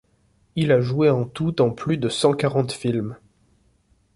Il a joué en tout dans plus de cent-quarante films.